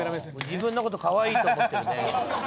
自分のこと可愛いと思ってるね。